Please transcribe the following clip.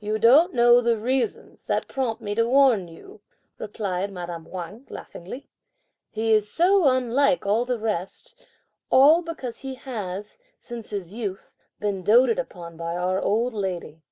"You don't know the reasons (that prompt me to warn you)," replied madame Wang laughingly. "He is so unlike all the rest, all because he has, since his youth up, been doated upon by our old lady!